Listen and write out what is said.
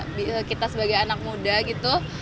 salud terus kayak kita sebagai anak muda gitu